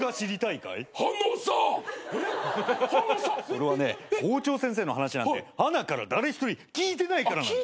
それはね校長先生の話なんてはなから誰一人聞いてないから。